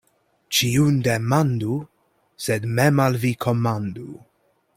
Ĉiun demandu, sed mem al vi komandu.